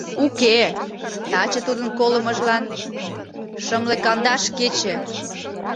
Уке, таче тудын колымыжлан... шымле кандаш кече!